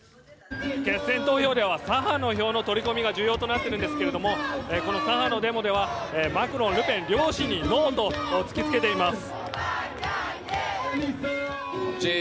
決選投票では左派の票の取り込みが重要となっているんですけどこの左派のデモではマクロン、ルペン両氏にノーと突き付けています。